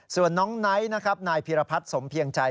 ส่วนน้องไนท์นะครับนายพีรพัฒน์สมเพียงใจ